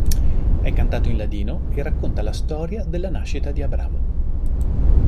È cantato in ladino e racconta la storia della nascita di Abramo.